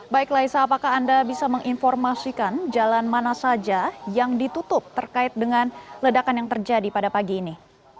baik laisa apakah anda bisa menginformasikan jalan mana saja yang ditutup terkait dengan ledakan yang terjadi pada pagi ini